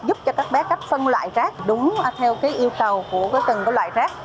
giúp cho các bé cách phân loại rác đúng theo yêu cầu của từng loại rác